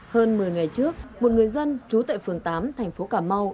hơn một mươi ngày trước một người dân trú tại phường tám thành phố cà mau